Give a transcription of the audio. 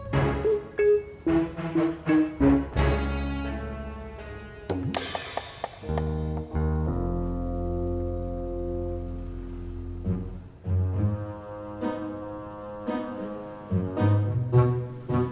lihat dulu yang bikin kicimpring